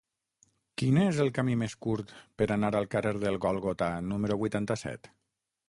Quin és el camí més curt per anar al carrer del Gòlgota número vuitanta-set?